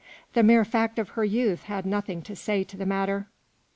The mere fact of her youth had nothing to say to the matter.